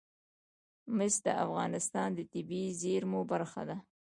مس د افغانستان د طبیعي زیرمو برخه ده.